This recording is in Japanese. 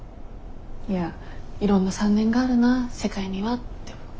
いやいろんな３年があるな世界にはって思って。